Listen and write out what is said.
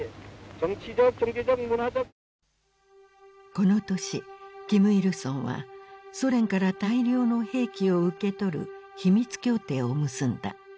この年金日成はソ連から大量の兵器を受け取る秘密協定を結んだ。